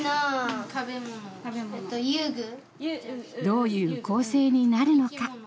どういう構成になるのか。